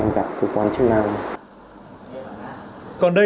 em lập cho vào bao bảo để